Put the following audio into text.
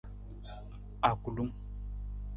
Akulung.